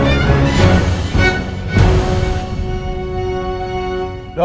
iya jadi pak